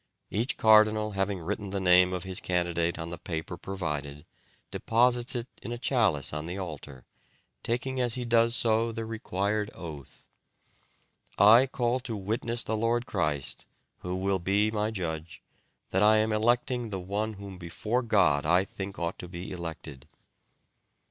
Each cardinal having written the name of his candidate on the paper provided, deposits it in a chalice on the altar, taking as he does so the required oath: "I call to witness the Lord Christ, who will be my judge, that I am electing the one whom before God I think ought to be elected."